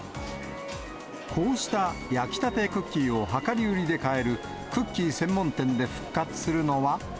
こうした焼きたてクッキーを量り売りで買えるクッキー専門店で復